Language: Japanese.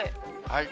はい。